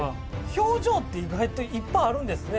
表情って意外といっぱいあるんですね